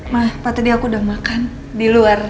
mah pak teddy aku udah makan di luar